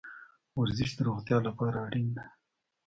ورزش د روغتیا لپاره اړین ده